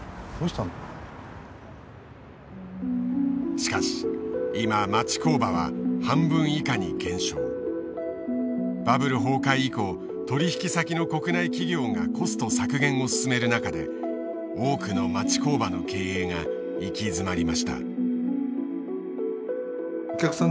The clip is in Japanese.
しかし今町工場はバブル崩壊以降取引先の国内企業がコスト削減を進める中で多くの町工場の経営が行き詰まりました。